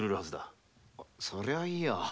そりゃいい！